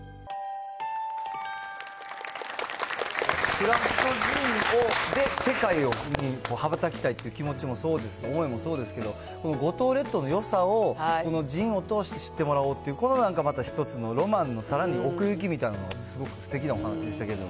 クラフトジンで世界に羽ばたきたいという気持ちもそうですし、思いもそうですけど、五島列島のよさをジンを通して知ってもらおうという、このなんかまた一つのロマンのさらに奥行きみたいなのが、すごくすてきなお話でしたけど。